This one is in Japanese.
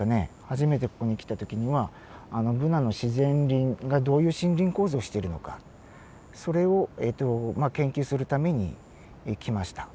初めてここに来た時にはブナの自然林がどういう森林構造をしてるのかそれを研究するために来ました。